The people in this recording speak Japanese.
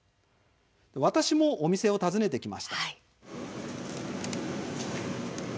私もお店を訪ねてきました。